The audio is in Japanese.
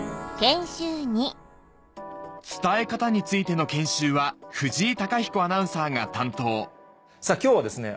伝え方についての研修は藤井貴彦アナウンサーが担当さぁ今日はですね